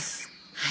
はい。